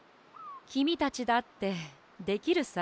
きみたちだってできるさ。